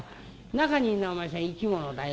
中にいるのはお前さん生き物だよ。